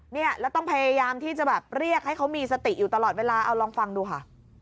เนี่ยแล้วต้องพยายามที่จะแบบเรียกให้เขามีสติอยู่ตลอดเวลาเอาลองฟังดูค่ะ